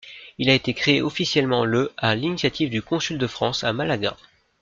Il a été créé officiellement le à l'initiative du Consul de France à Malaga.